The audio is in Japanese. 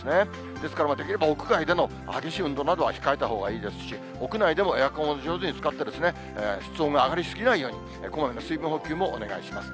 ですから、できれば屋外での激しい運動などは控えたほうがいいですし、屋内でもエアコンを上手につかって、室温が上がりすぎないように、こまめな水分補給をお願いします。